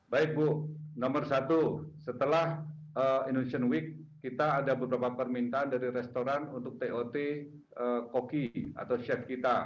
baik bu nomor satu setelah indonesian week kita ada beberapa permintaan dari restoran untuk tot koki atau chef kita